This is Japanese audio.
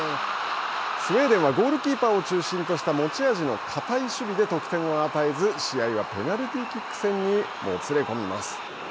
スウェーデンはゴールキーパーを中心とした持ち味の堅い守備で得点を与えず試合はペナルティーキック戦にもつれ込みます。